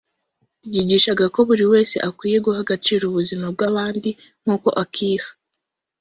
ryigishaga ko buri wese akwiye guha agaciro ubuzima bw’abandi nk’uko akiha